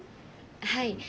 はい。